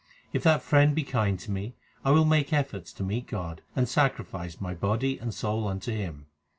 If that friend be kind to me, I will make efforts to meet God, And sacrifice my body and soul unto Him.